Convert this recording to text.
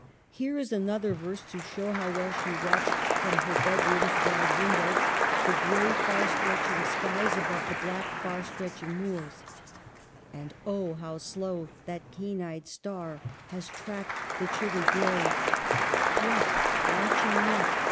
Here is another verse to show how well she watched from her bedroom's wide window the gray far stretching skies above the black far stretching moors —" And oh, how slow that keen eyed star Has tracked the chilly gray; What, watching yet!